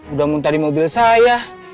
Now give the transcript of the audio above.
udah muntah di mobil saya